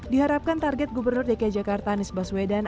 diharapkan target gubernur dki jakarta nisbas wedan